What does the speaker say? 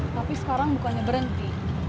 tapi sekarang bukannya berhenti